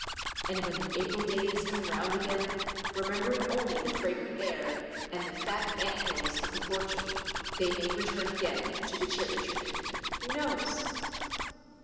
And when the April days come round again, remembering only the fragrant air and the fat ant hills of the orchard, they may return again to the cherry tree. Who knows?